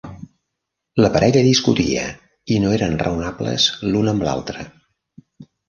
La parella discutia i no eren raonables l'un amb l'altre.